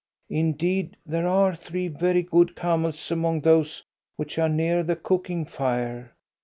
Indeed, there are three very good camels among those which are near the cooking fire.